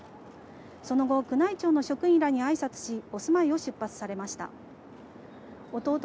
その後、宮内庁の職員らに挨拶し、お住まいを出発されました。